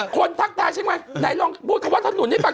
ทักทายใช่ไหมไหนลองพูดคำว่าถนนให้ฟัง